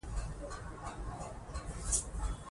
لومړني هڅو کې مې ډوډۍ سمې ونه شوې.